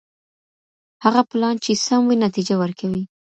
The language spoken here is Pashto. هغه پلان چي سم وي نتيجه ورکوي.